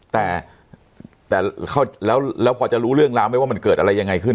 แต่แล้วพอจะรู้เรื่องราวไหมว่ามันเกิดอะไรยังไงขึ้น